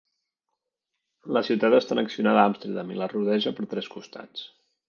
La ciutat està annexionada a Amsterdam i la rodeja per tres costats.